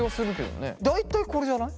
大体これじゃない？